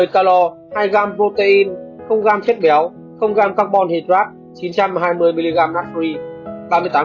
một mươi calor hai gram protein gram chất béo gram carbon hydrate chín trăm hai mươi mg naturally ba mươi tám giá trị hằng ngày